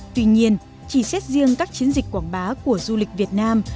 tuy nhiên chỉ xét riêng các chiến dịch quảng bá của du lịch việt nam